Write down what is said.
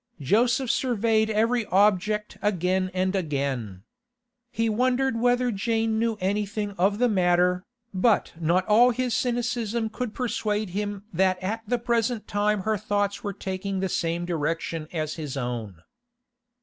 Joseph surveyed every object again and again. He wondered whether Jane knew anything of the matter, but not all his cynicism could persuade him that at the present time her thoughts were taking the same direction as his own.